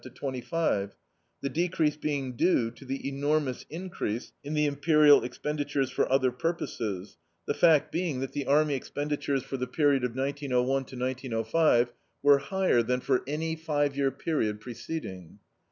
to 25, the decrease being due to the enormous increase in the imperial expenditures for other purposes, the fact being that the army expenditures for the period of 1901 5 were higher than for any five year period preceding.